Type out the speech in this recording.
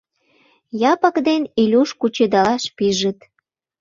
Япык ден Илюш кучедалаш пижыт.